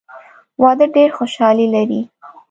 واده ډېره خوشحالي لري.